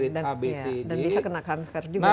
dan bisa kena cancer juga kan